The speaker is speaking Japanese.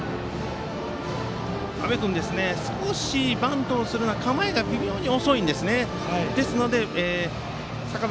安部君、少しバントの構えが微妙に、遅いんですね。